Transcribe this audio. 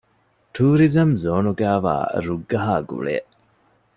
ޓޫރިޒަމް ޒޯނުގައިވާ ރުއްގަހާ ގުޅޭ